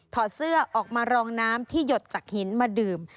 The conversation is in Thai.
อดเสื้อออกมารองน้ำที่หยดจากหินมาดื่ม